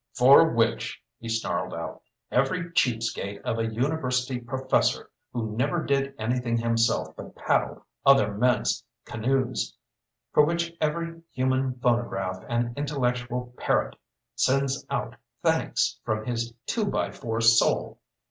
"For which," he snarled out, "every cheap skate of a university professor who never did anything himself but paddle other men's canoes, for which every human phonograph and intellectual parrot sends out thanks from his two by four soul!